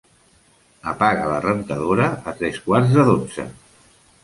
Apaga la rentadora a tres quarts de dotze.